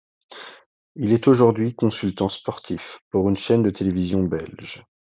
Il est aujourd'hui consultant sportif pour une chaine de télévision belge.